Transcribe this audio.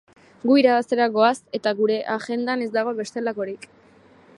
Gu irabaztera goaz, eta gure agendan ez dago bestelakorik.